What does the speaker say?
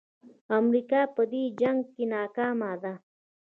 امریکا په دې جنګ کې ناکامه ده.